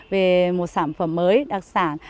về một sản phẩm mới đặc sản